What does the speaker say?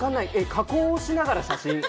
加工をしながら写真。